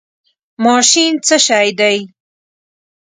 ماشین څه شی دی؟